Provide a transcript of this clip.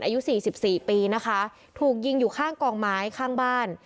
อายุสี่สิบสี่ปีนะคะถูกยิงอยู่ข้างกองไม้ข้างบ้าน